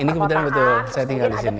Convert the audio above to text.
ini kebetulan betul saya tinggal disini